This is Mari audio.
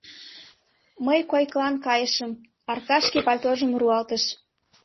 — Мый койкылан кайышым, — Аркаш шке пальтожым руалтыш.